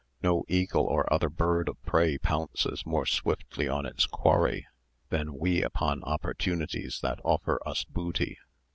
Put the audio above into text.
No eagle or other bird of prey pounces more swiftly on its quarry than we upon opportunities that offer us booty.